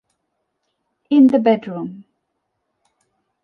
In the bedroom.